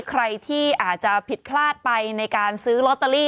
ใครที่อาจจะผิดพลาดไปในการซื้อลอตเตอรี่